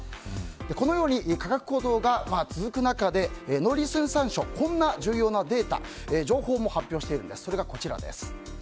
このように、価格高騰が続く中で農林水産省はこんな重要なデータ情報を発表しています。